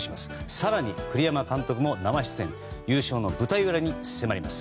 更に、栗山監督も生出演優勝の舞台裏に迫ります。